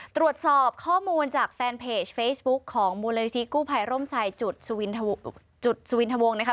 ตรวจสอบข้อมูลจากแฟนเพจเฟซบุ๊คของมูลนิธิกู้ภัยร่มทรายจุดสวินทวงนะคะ